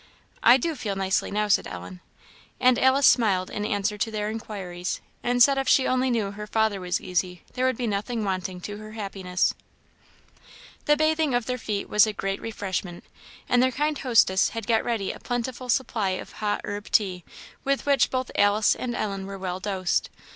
"I do feel nicely now," said Ellen. And Alice smiled in answer to their inquiries, and said if she only knew her father was easy, there would be nothing wanting to her happiness. The bathing of their feet was a great refreshment, and their kind hostess had got ready a plentiful supply of hot herb tea, with which both Alice and Ellen were well dosed.